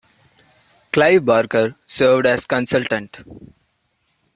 Clive Barker served as consultant.